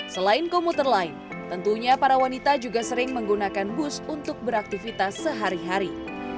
selain komuter lain tentunya para wanita juga sering menggunakan bus untuk beraktivitas sehari hari